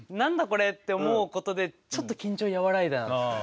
これって思うことでちょっと緊張和らいだ。